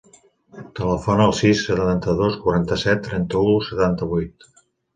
Telefona al sis, setanta-dos, quaranta-set, trenta-u, setanta-vuit.